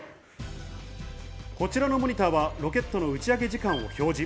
こちらのモニターはロケットの打ち上げ時間を表示。